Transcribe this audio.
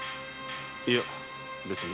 いや別に。